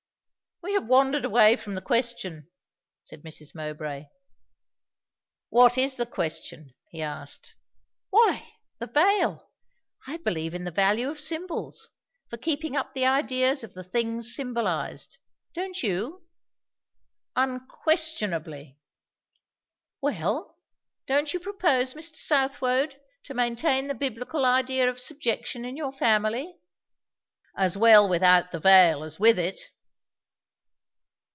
"We have wandered away from the question," said Mrs. Mowbray. "What is the question?" he asked. "Why, the veil! I believe in the value of symbols, for keeping up the ideas of the things symbolized. Don't you?" "Unquestionably." "Well don't you propose, Mr. Southwode, to maintain the Biblical idea of subjection in your family?" "As well without the veil as with it."